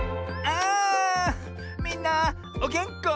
あみんなおげんこ？